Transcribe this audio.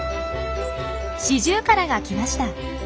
シジュウカラが来ました。